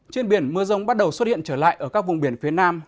trên biển mưa rông bắt đầu xuất hiện trở lại ở các vùng biển phía nam